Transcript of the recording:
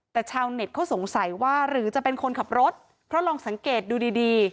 แต่ชาวเน็ตเขาสงสัยว่าหรือจะเป็นคนขับรถเพราะลองสังเกตดูดีดี